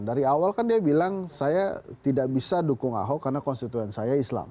dari awal kan dia bilang saya tidak bisa dukung ahok karena konstituen saya islam